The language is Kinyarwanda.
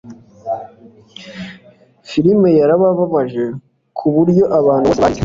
Filime yarababaje kuburyo abantu bose barize